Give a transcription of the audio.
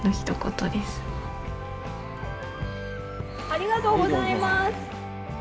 ありがとうございます。